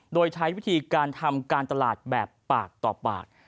โดยใช้วิธีการทำการตลาดแบบปากต่อปาก